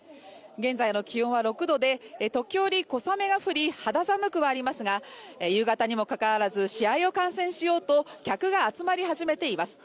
現在の気温は６度で、時折小雨が降り肌寒くはありますが夕方にもかかわらず試合を観戦しようと客が集まり始めています。